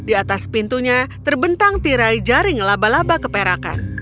di atas pintunya terbentang tirai jaring laba laba keperakan